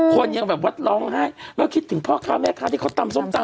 คนยังแบบว่าร้องไห้แล้วคิดถึงพ่อค้าแม่ค้าที่เขาตำส้มตำ